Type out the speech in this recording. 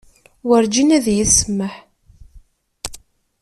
Werǧin ad yi-tsameḥ.